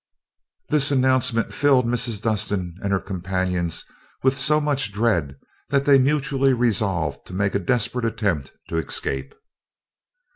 This announcement filled Mrs. Dustin and her companions with so much dread, that they mutually resolved to make a desperate attempt to escape.